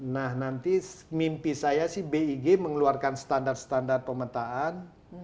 nah nanti mimpi saya sih big mengeluarkan standar standar pemetaan